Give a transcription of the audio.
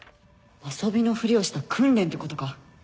遊びのふりをした訓練ってことか。